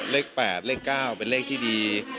เลข๘เลข๙เป็นเลขที่ดี